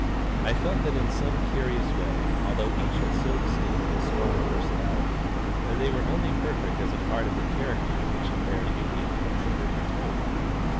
I felt that in some curious way, although each had so distinct and strong a personality, they were only perfect as a part of the character which in their union formed a perfect whole.